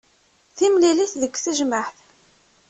Timlilit deg tejmaɛt.